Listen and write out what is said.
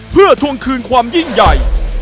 เพื่อทวงคืนความยิ่งใหญ่